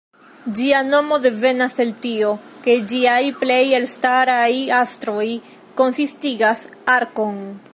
Ĝia nomo devenas el tio, ke ĝiaj plej elstaraj astroj konsistigas arkon.